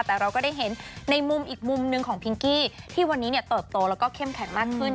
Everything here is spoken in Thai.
แต่เราก็ได้เห็นในมุมอีกมุมหนึ่งของพิงกี้ที่วันนี้เติบโตแล้วก็เข้มแข็งมากขึ้น